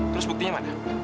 terus buktinya mana